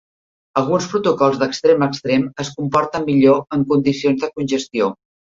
Alguns protocols d'extrem a extrem es comporten millor en condicions de congestió.